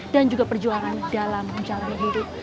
dan juga perjuangan dalam menjalani hidup